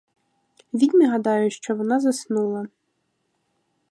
Відьми гадають, що вона заснула.